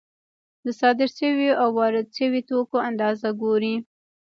د صادر شویو او وارد شویو توکو اندازه ګوري